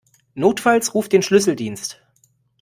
Notfalls ruf den Schlüsseldienst.